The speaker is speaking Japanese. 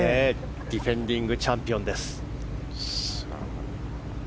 ディフェンディングチャンピオンです。